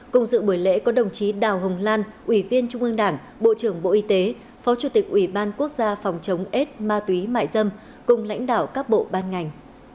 cùng dự buổi lễ có đồng chí đào hồng lan ủy viên trung ương đảng bộ trưởng bộ y tế phó chủ tịch ủy ban quốc gia phòng chống ết ma túy mại dâm cùng lãnh đạo các bộ ban ngành